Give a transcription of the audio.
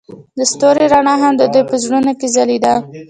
د ستوري رڼا هم د دوی په زړونو کې ځلېده.